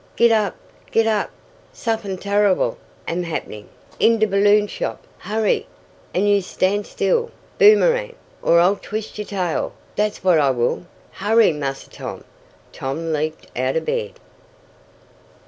"Git up! Git up! Suffin' turrible am happenin' in de balloon shop. Hurry! An' yo' stan' still, Boomerang, or I'll twist yo' tail, dat's what I will! Hurry, Massa Tom!" Tom leaped out of bed.